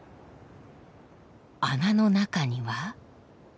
穴の中には。